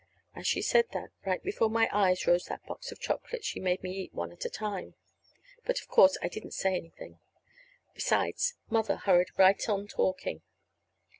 As she said that, right before my eyes rose that box of chocolates she made me eat one at a time; but, of course, I didn't say anything! Besides, Mother hurried right on talking.